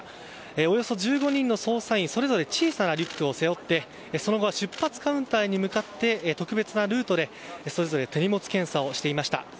およそ１５人の捜査員、それぞれ小さなリュックを背負ってその後は出発カウンターへ向かって特別なルートでそれぞれ手荷物検査をしていました。